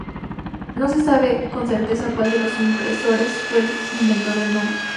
No se sabe con certeza cuál de los impresores fue el inventor del nombre.